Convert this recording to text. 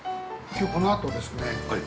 きょうこのあとですね